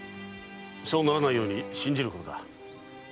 そうならないように信じることだ。